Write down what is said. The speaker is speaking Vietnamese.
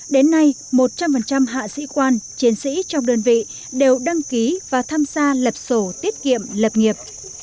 đến nay một trăm linh hạ sĩ quan chiến sĩ trong đơn vị đều đăng ký và tham gia lập sổ tiết kiệm lập nghiệp